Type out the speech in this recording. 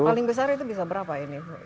paling besar itu bisa berapa ini